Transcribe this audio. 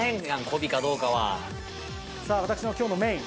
さあ私の今日のメイン